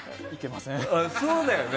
そうだよね？